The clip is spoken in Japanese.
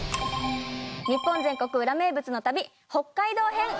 日本全国ウラ名物の旅北海道編！